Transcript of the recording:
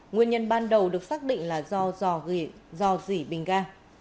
nguyên nhân ban đầu được xác định là do dỉ bình ga